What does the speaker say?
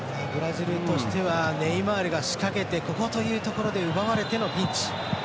ブラジルとしてはネイマールが仕掛けてここというところで奪われてのピンチ。